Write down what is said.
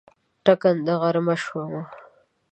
ټکنده غرمه شومه